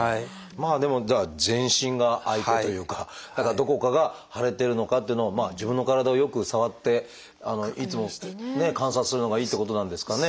まあでもじゃあ全身が相手というかどこかが腫れてるのかっていうのを自分の体をよく触っていつも観察するのがいいってことなんですかね。